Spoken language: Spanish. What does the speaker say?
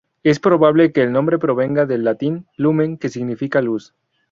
Es probable que el nombre provenga del latín "lumen", que significa "luz".